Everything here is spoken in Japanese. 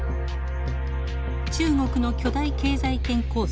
中国の巨大経済圏構想